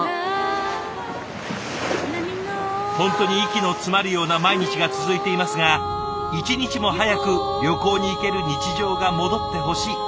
本当に息の詰まるような毎日が続いていますが一日も早く旅行に行ける日常が戻ってほしい。